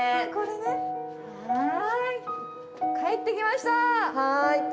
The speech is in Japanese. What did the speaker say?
帰ってきました。